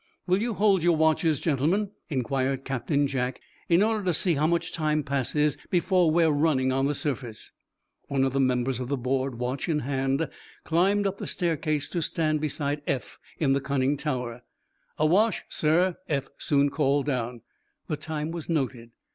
"Will you hold your watches, gentlemen," inquired Captain Jack, "in order to see how much time passes before we are running on the surface?" One of the members of the board, watch in hand, climbed up the staircase to stand beside Eph in the conning tower. "Awash, sir," Eph soon called down. The time was noted.